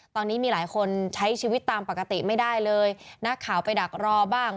ตอนนี้มีหลายคนใช้ชีวิตตามปกติไม่ได้เลยนักข่าวไปดักรอบ้าง